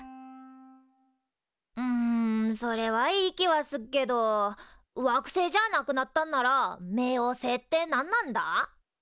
んそれはいい気はすっけど惑星じゃなくなったんなら冥王星って何なんだ？